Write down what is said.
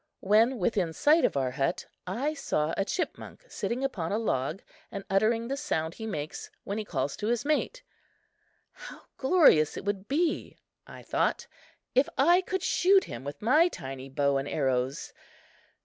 When within sight of our hut, I saw a chipmunk sitting upon a log, and uttering the sound he makes when he calls to his mate. How glorious it would be, I thought, if I could shoot him with my tiny bow and arrows!